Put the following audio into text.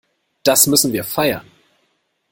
Das müssen wir feiern.